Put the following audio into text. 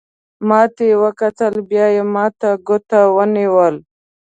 ما ته وکتل، بیا یې ما ته ګوته ونیول.